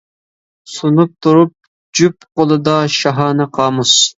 سۇنۇپ تۇرۇپ. جۈپ قولىدا شاھانە قامۇس.